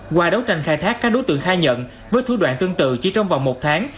qua đấu tranh khai thác các đối tượng khai nhận với thủ đoạn tương tự chỉ trong vòng một tháng